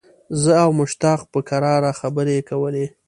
زه او مشتاق په کراره خبرې کولې.